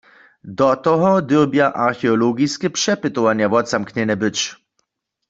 Do toho dyrbja archeologiske přepytowanja wotzamknjene być.